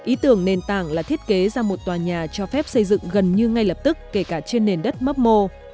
ý tưởng nền tảng là thiết kế ra một tòa nhà cho phép xây dựng gần như ngay lập tức kể cả trên nền đất mấp mô